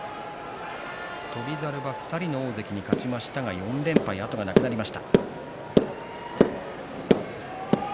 翔猿は２人の大関に勝ちましたが４連敗、後がなくなりました。